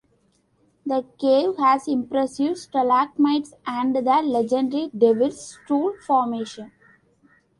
The cave has impressive stalagmites and the legendary "Devil's Stool" formation.